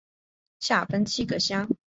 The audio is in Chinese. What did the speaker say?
下分七个乡。